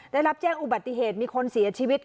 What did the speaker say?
ได้รับแจ้งอุบัติเหตุมีคนเสียชีวิต